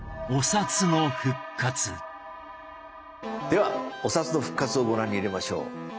ではお札の復活をご覧に入れましょう。